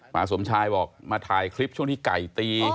สมชายบอกมาถ่ายคลิปช่วงที่ไก่ตี